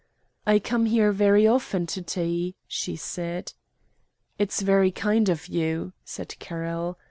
"I come here very often to tea," she said. "It's very kind of you," said Carroll.